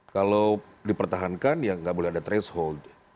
kalau dipertahankan ya nggak boleh ada threshold